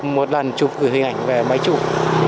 một lần chụp hình ảnh về máy chụp